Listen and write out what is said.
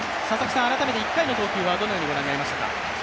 改めて１回の投球はどのようにご覧になりましたか？